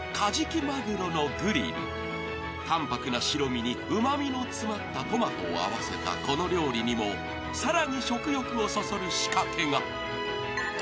［淡泊な白身にうま味の詰まったトマトを合わせたこの料理にもさらに食欲をそそる仕掛けが］